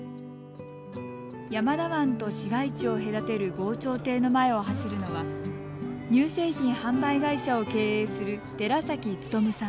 山田湾と市街地を隔てる防潮堤の前を走るのは乳製品販売会社を経営する寺崎勉さん。